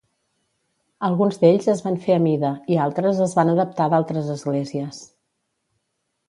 Alguns d'ells es van fer a mida i altres es van adaptar d'altres esglésies.